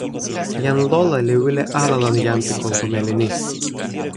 jan Lola li wile ala lon jan pi kulupu meli ni.